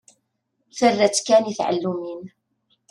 Terra-tt kan i tɛellumin.